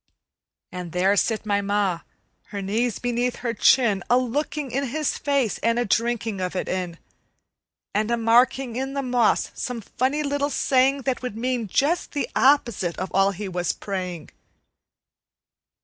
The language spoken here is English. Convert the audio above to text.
And there sit my Ma, her knees beneath her chin, A looking in his face and a drinking of it in, And a marking in the moss some funny little saying That would mean just the opposite of all he was praying!